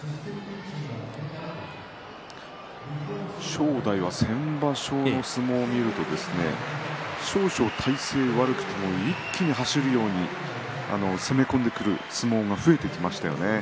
正代は先場所の相撲を見ると少々、体勢が悪くても一気に走るように攻め込んでくる相撲が増えてきましたよね。